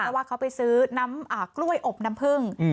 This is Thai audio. เพราะว่าเขาไปซื้อน้ำกล้วยอบน้ำพึ่ง